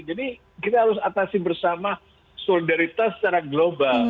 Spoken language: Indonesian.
jadi kita harus atasi bersama solidaritas secara global